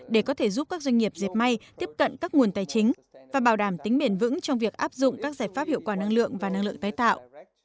để có thể giúp các doanh nghiệp dẹp may tiếp cận các nguồn tài chính và bảo đảm tính bền vững trong việc áp dụng các giải pháp hiệu quả năng lượng và năng lượng tái tạo